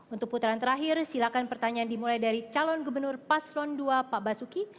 untuk putaran terakhir silakan pertanyaan dimulai dari calon gubernur paslon dua pak basuki